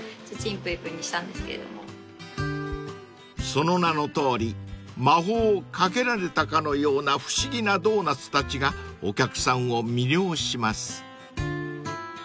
［その名のとおり魔法をかけられたかのような不思議なドーナツたちがお客さんを魅了します］